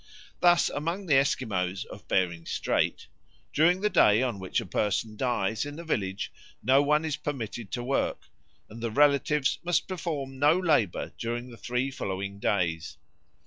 Thus among the Esquimaux of Bering Strait "during the day on which a person dies in the village no one is permitted to work, and the relatives must perform no labour during the three following days.